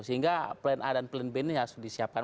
sehingga plan a dan plan b ini harus disiapkan